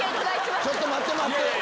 ちょっと待って待って！